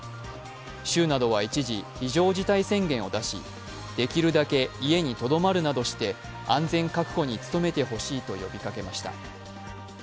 州などは一時、非常事態宣言を出し、できるだけ家にとどまるなどして安全確保に努めてほしいと呼びかけました。